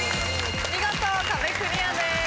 見事壁クリアです。